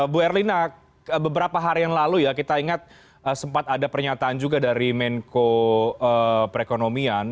bu erlina beberapa hari yang lalu ya kita ingat sempat ada pernyataan juga dari menko perekonomian